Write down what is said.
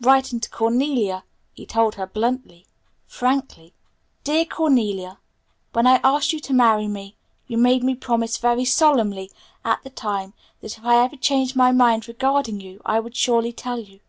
Writing to Cornelia he told her bluntly, frankly, "DEAR CORNELIA: "When I asked you to marry me, you made me promise very solemnly at the time that if I ever changed my mind regarding you I would surely tell you.